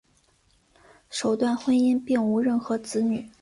首段婚姻并无任何子女。